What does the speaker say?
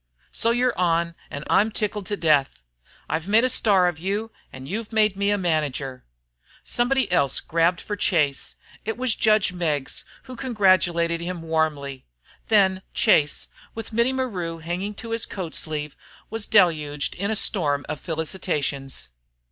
So you're on, an' I'm tickled to death. I've made you a star an' you've made me a manager." Somebody else made a grab for Chase. It was judge Meggs, who congratulated him warmly. Then Chase, with Mittie Maru hanging to his coat sleeve, was deluged in a storm of felicitations.